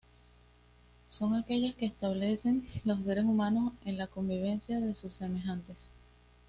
Son aquellas que establecen los seres humanos en la convivencia con sus semejantes.